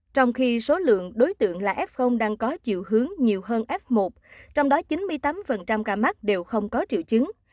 trong khi số lượng đối tượng là f đang có chiều hướng nhiều hơn f một trong đó chín mươi tám ca mắc đều không có triệu chứng